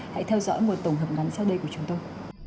hãy theo dõi một tổng hợp ngắn sau đây của chúng tôi